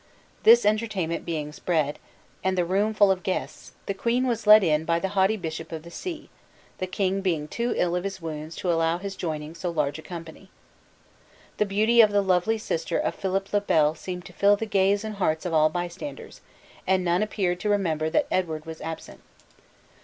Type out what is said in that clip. This entertainment being spread, and the room full of guests, the queen was led in by the haughty bishop of the see, the king being too ill of his wounds to allow his joining so large a company. The beauty of the lovely sister of Philip le Bel seemed to fill the gaze and hearts of all bystanders, and none appeared to remember that Edward was absent.